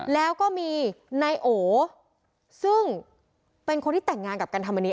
แล้วก็มีนายโอซึ่งเป็นคนที่แต่งงานกับกันธรรมนี